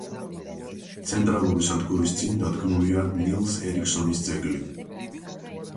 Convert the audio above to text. ცენტრალური სადგურის წინ დადგმულია ნილს ერიქსონის ძეგლი.